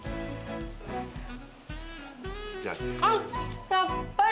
あっさっぱり！